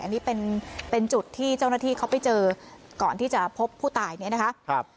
อันนี้เป็นจุดที่เจ้าหน้าที่เขาไปเจอก่อนที่จะพบผู้ตายเนี่ยนะคะ